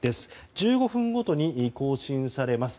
１５分ごとに更新されます。